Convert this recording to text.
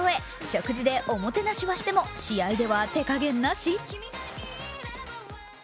食事でおもてなししても試合では手加減なし？